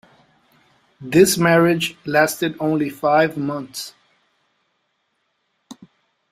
This marriage lasted only five months.